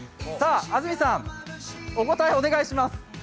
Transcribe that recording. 安住さん、お答えお願いします。